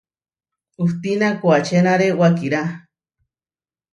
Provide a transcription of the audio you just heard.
Hustína koačénare wakirá.